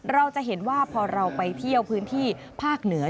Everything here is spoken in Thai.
เราจะเห็นว่าพอเราไปเที่ยวพื้นที่ภาคเหนือ